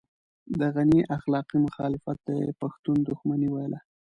د غني اخلاقي مخالفت ته يې پښتون دښمني ويله.